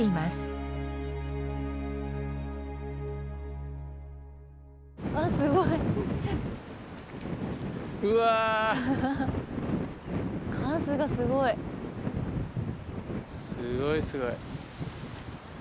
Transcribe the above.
すごいすごい。